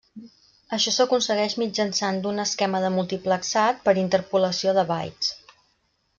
Això s'aconsegueix mitjançant d'un esquema de multiplexat per interpolació de bytes.